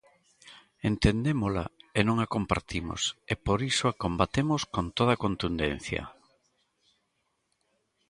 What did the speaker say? Entendémola e non a compartimos, e por iso a combatemos con toda a contundencia.